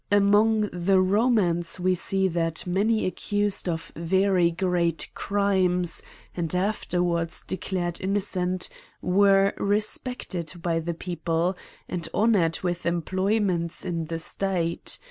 Among the Romans we see that many accused of very great crimes, and afterwards de clared innocent, were respected by the people, and honoured with employments in the state.